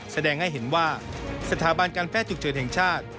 แสดงให้เห็นว่าสถาบันการแพทย์ฉุกเฉินแห่งชาติ